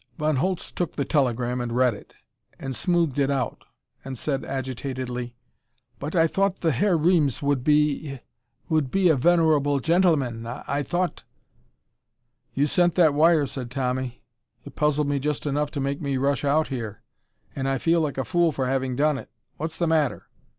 Von Holtz took the telegram and read it, and smoothed it out, and said agitatedly: "But I thought the Herr Reames would be would be a venerable gentleman! I thought " "You sent that wire," said Tommy. "It puzzled me just enough to make me rush out here. And I feel like a fool for having done it. What's the matter?